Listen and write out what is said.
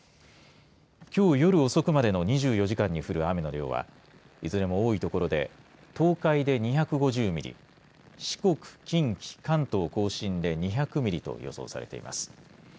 きょう夜遅くまでの２４時間に降る雨の量はいずれも多い所で東海で２５０ミリ四国、近畿、関東甲信で２００ミリと予想されています。